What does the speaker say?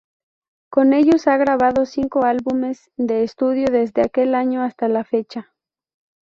Con ellos ha grabado cinco álbumes de estudio desde aquel año hasta la fecha.